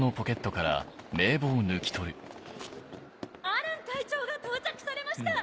アラン会長が到着されました！